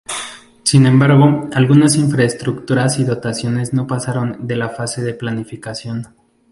Sin embargo, algunas infraestructuras y dotaciones no pasaron de la fase de planificación.